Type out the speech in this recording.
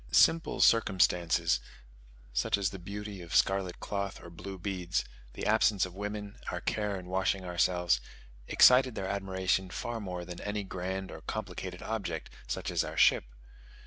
Simple circumstances such as the beauty of scarlet cloth or blue beads, the absence of women, our care in washing ourselves, excited their admiration far more than any grand or complicated object, such as our ship.